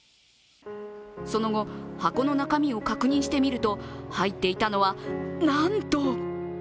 その後、箱の中身を確認してみると入っていたのはなんと！